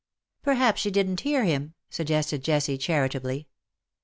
'''" Perhaps she didn^t hear him/^ suggested Jessie, charitably.